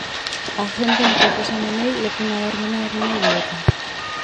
Agenteen proposamenei leku nabarmena egin nahi diete.